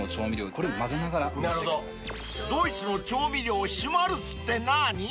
［ドイツの調味料シュマルツってなに？］